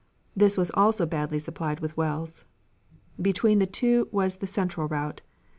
This was also badly supplied with wells. Between the two was the central route.